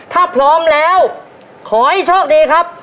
ถ้าพร้อมแล้วขอให้โชคดีครับ